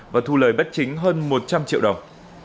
và thu lời bất chính hơn một trăm linh triệu đồng